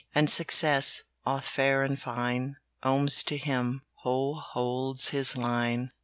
"And success, Both fair and fine, Comes to him Who holds his line.